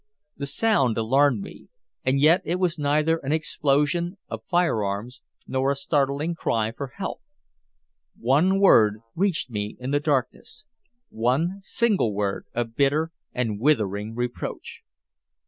The sound alarmed me, and yet it was neither an explosion of fire arms nor a startling cry for help. One word reached me in the darkness one single word of bitter and withering reproach.